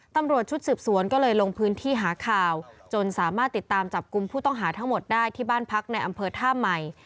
ตำรวจชุดสืบสวนก็เลยลงพื้นที่หาข่าวจนสามารถติดตามจับกลุ่มผู้ต้องหาทั้งหมดได้ที่บ้านพักในอำเภอท่าใหม่